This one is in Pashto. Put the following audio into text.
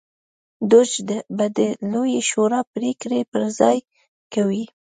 دوج به د لویې شورا پرېکړې پر ځای کوي